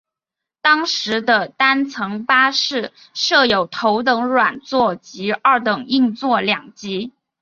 当时的单层巴士设有头等软座及二等硬座两级。